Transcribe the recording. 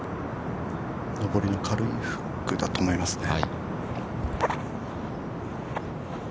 ◆上りの軽いフックだと思いますね。